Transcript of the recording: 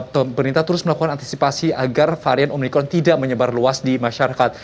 pemerintah terus melakukan antisipasi agar varian omikron tidak menyebar luas di masyarakat